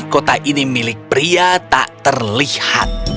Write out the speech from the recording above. kota ini milik pria tak terlihat